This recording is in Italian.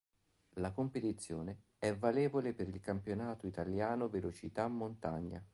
La competizione è valevole per il Campionato Italiano Velocità Montagna.